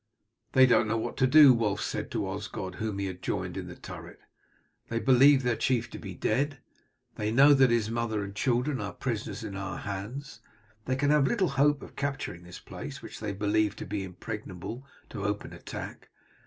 "They don't know what to do," Wulf said to Osgod, whom he had joined in the turret. "They believe their chief to be dead; they know that his mother and children are prisoners in our hands; they can have little hope of capturing this place, which they believe to be impregnable to open attack.